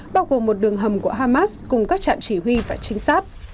bao gồm một đường hầm của hamas cùng các trạm chỉ huy và trinh sát